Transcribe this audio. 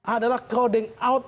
adalah crowding out